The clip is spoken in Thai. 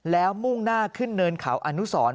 แล้วมุ่งหน้าขึ้นเนินเขาอนุสร